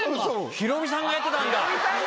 ヒロミさんがやってたんだ。